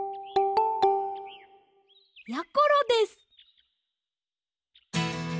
やころです！